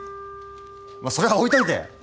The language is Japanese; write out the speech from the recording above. まあそれは置いといて。